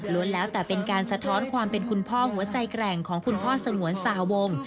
แล้วแต่เป็นการสะท้อนความเป็นคุณพ่อหัวใจแกร่งของคุณพ่อสงวนสหวง